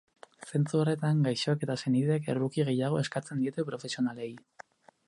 Zentzu horretan, gaixoek eta senideek erruki gehiago eskatzen diete profesionalei.